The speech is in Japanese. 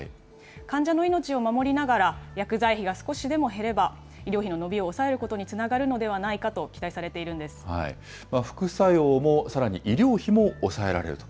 患者の命を守りながら、薬剤費が少しでも減れば、医療費の伸びを抑えることにつながるのではないかと期待されてい副作用も、さらに医療費も抑えられると。